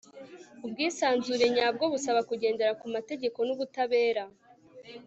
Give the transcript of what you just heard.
ubwisanzure nyabwo busaba kugendera ku mategeko n'ubutabera